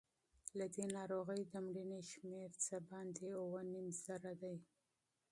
له دې ناروغۍ د مړینې شمېر څه باندې اووه نیم زره دی.